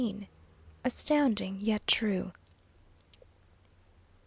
ASTOUNDING, YET TRUE.